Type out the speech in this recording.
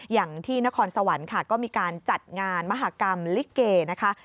อย่างที่นครสวรรค์ค่ะก็มีการจัดงานมหากรรมลิเกนะคะ